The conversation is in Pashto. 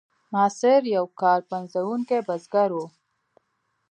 ماسیر یو کار پنځوونکی بزګر و.